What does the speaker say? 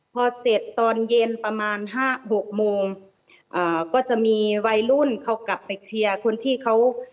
พอเสร็จตอนเย็นประมาณห้าหกโมงอ่าก็จะมีวัยรุ่นเขากลับไปเคลียร์คนที่เขา